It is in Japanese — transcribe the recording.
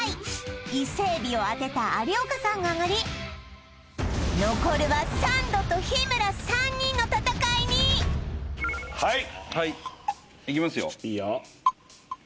イセエビを当てた有岡さんがあがり残るはサンドと日村はいはいいきますよいいよ